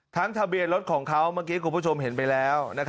ทะเบียนรถของเขาเมื่อกี้คุณผู้ชมเห็นไปแล้ว